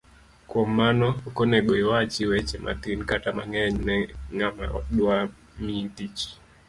Kuom mano, okonego iwach weche matin kata mang'eny ne ng'ama dwami tich.